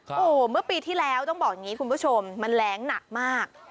โอ้โหเมื่อปีที่แล้วต้องบอกอย่างนี้คุณผู้ชมมันแรงหนักมาก